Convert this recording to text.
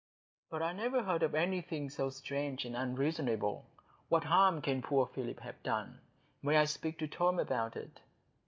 "But I never heard of anything so strange and unreasonable. What harm can poor Philip have done? May I speak to Tom about it?"